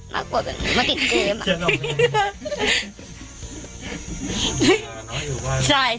มากกว่าแบบนี้มาติดเกม